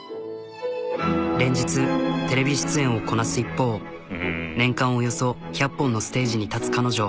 連日テレビ出演をこなす一方年間およそ１００本のステージに立つ彼女。